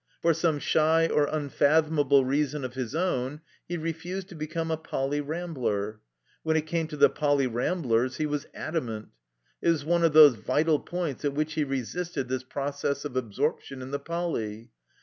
For some shy or unfathomable reason of his own he refused to become a Poly. Rambler. When it came to the 7 THE COMBINED MAZE Poly. Ramblers he was adamant. It was one of those vital points at which he resisted this process of absorption in the Poly.